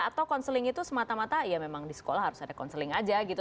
atau konseling itu semata mata ya memang di sekolah harus ada konseling aja gitu